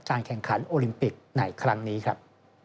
แข่งขันโอลิมปิกในครั้งนี้ครับ